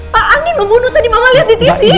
pak andien membunuh tadi mama liat di tv